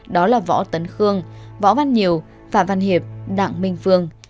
đó là võ tấn khương võ văn nhiều phạm văn hiệp đặng minh phương